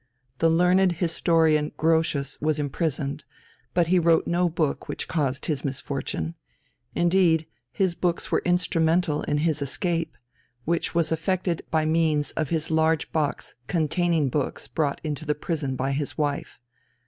The learned historian Grotius was imprisoned, but he wrote no book which caused his misfortune. Indeed his books were instrumental in his escape, which was effected by means of his large box containing books brought into the prison by his wife.